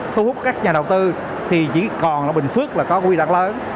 thu hút các nhà đầu tư thì chỉ còn bình phước là có quỹ đắc lớn